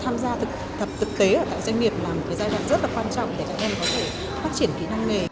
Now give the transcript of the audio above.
tại doanh nghiệp là một giai đoạn rất quan trọng để các em có thể phát triển kỹ năng nghề